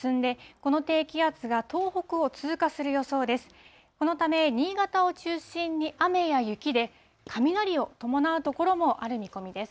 このため、新潟を中心に雨や雪で、雷を伴う所もある見込みです。